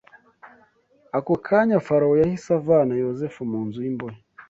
Ako kanya Farawo yahise avana Yozefu mu nzu y’imbohe